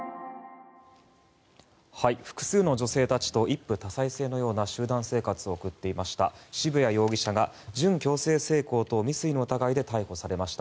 複数の女性たちと一夫多妻制のような集団生活を送っていました渋谷容疑者が準強制性交等未遂の疑いで逮捕されました。